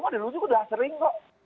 kan di luar juga sudah sering kok